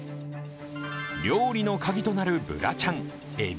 料理の鍵となるブラチャンエビ